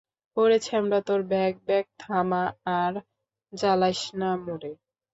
ওরে ছ্যামরা তোর ভ্যাগ, ভ্যাগ থামা আর জালাইসনা মোরে।